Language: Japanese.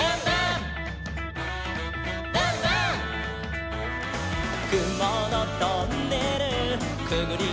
「くものトンネルくぐりぬけるよ」